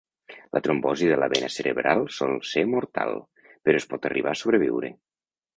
La trombosi de la vena cerebral sol ser mortal, però es pot arribar a sobreviure.